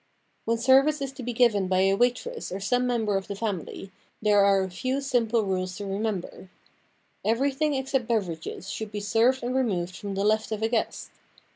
When service is to be given by a waitress or some member of the family, there are a few simple rules to remember. Everything except beverages should be served and removed from the left of a guest.